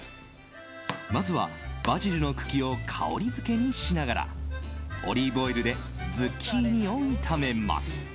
まずは、バジルの茎を香りづけにしながらオリーブオイルでズッキーニを炒めます。